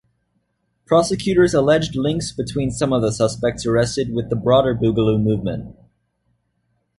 Prosecutors alleged links between some of the suspects arrested with the broader boogaloo movement.